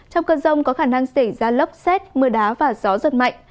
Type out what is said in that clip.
trong cơn rông có khả năng xảy ra lốc xét mưa đá và gió giật mạnh